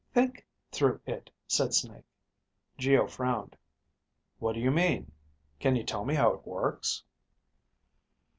Think ... through ... it, said Snake. Geo frowned. "What do you mean? Can you tell me how it works?"